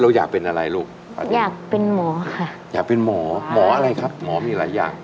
อยากเป็นอะไรลูกอยากเป็นหมอค่ะอยากเป็นหมอหมออะไรครับหมอมีหลายอย่าง